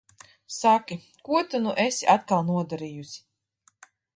Saki, ko tu nu esi atkal nodarījusi?